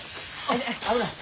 危ない！